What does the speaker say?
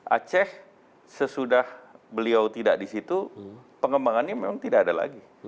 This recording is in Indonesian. aceh sesudah beliau tidak di situ pengembangannya memang tidak ada lagi